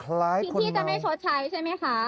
คล้ายคุณเมาพี่จะไม่ชดใช้ใช่มั้ยคะ